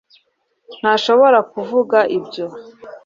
ntashobora kuvuga ibyo